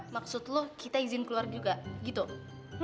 maksud lo kita izin keluar juga gitu